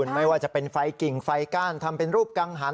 ไม่ว่าจะเป็นไฟกิ่งไฟก้านทำเป็นรูปกังหัน